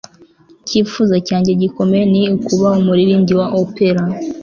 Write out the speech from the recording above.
Icyifuzo cyanjye gikomeye ni ukuba umuririmbyi wa opera